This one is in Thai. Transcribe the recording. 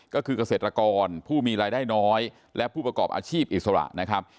ก็คือเกษตรกรผู้มีรายได้น้อยและผู้ประกอบอาชีพอิสระนะครับ